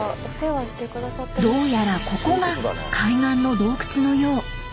どうやらここが海岸の洞窟のよう。